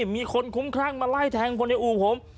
มีคนคุ้มคลั่งมาไล่แทงคนในอู่ผม